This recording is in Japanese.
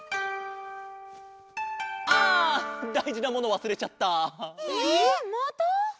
あだいじなものわすれちゃった！